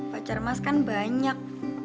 pacar mas kan banyak